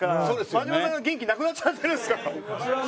真島さんが元気なくなっちゃってるんですか？